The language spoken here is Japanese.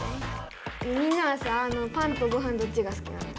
みんなはさパンとごはんどっちが好きなの？